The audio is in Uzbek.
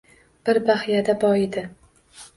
Bir baxyada boyidi